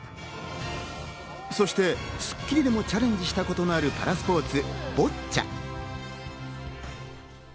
そして『スッキリ』でもチャレンジしたことのあるパラスポーツ、ボッチャ。